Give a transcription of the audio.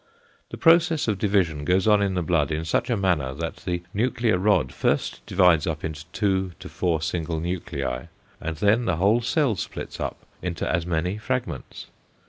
The process of division goes on in the blood in such a manner that the nuclear rod first divides into two to four single nuclei, and then the whole cell splits up into as many fragments.